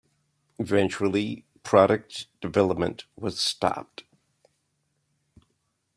Eventually product development was stopped.